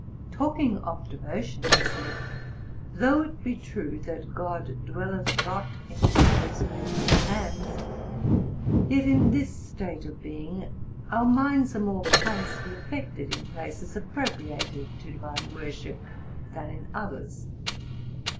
Talking of devotion, he said, 'Though it be true that "GOD dwelleth not in temples made with hands," yet in this state of being, our minds are more piously affected in places appropriated to divine worship, than in others.